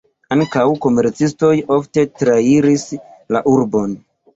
Ankaŭ komercistoj ofte trairis la urbon.